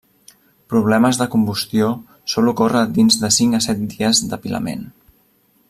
Problemes de combustió sol ocórrer dins de cinc a set dies d'apilament.